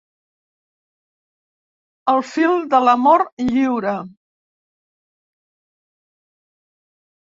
El fill de l'amor lliure.